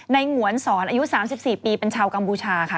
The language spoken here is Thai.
ในหวนศรอายุ๓๔ปีเป็นชาวกัมบูชาค่ะ